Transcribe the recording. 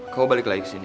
kau balik lagi kesini